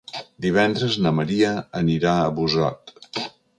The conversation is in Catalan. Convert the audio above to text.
Divendres na Maria anirà a Busot.